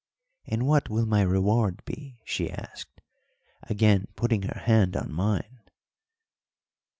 "And what will my reward be?" she asked, again putting her hand on mine.